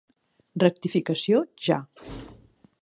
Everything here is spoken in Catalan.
Rectificació ja!